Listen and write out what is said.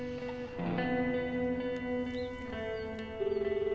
うん。